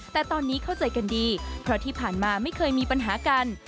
แต่ตอนนี้เข้าใจกันดีเพราะที่ผ่านมาไม่เคยมีปัญหากัน